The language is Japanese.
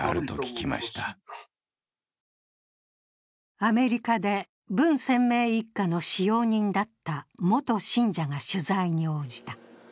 アメリカで文鮮明一家の使用人だった元信者が取材に応じた。